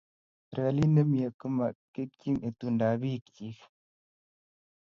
Serkalit ne mie komokekiy etundab bikchi